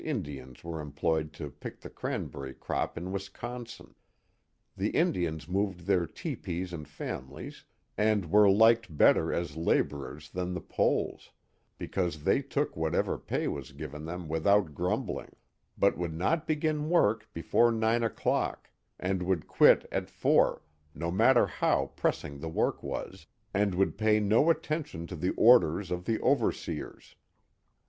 Indians Were employed to^ckthe cranberry crop in Wisconsin. The Indians move their tepees and^f aniifite, suad were liked better as laborers than the'Poles» because they took whatever pay was given them without ••*•••* j^uoiblihg; but wdiitd not begin work before nine o'clock and would quit at four, no matter how pressing the work was, and would pay nd attention td the orders of the overseers.